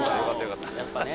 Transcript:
やっぱね。